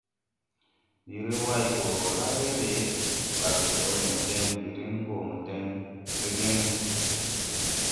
Ndi re Way go la re re, Bale coʼ le mo deŋ no, ndi ren go mo deŋ re ge ne?